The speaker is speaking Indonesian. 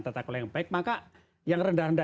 tata kelola yang baik maka yang rendah rendah